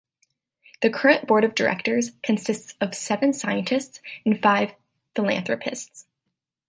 The current board of directors consists of seven scientists and five Philanthropists.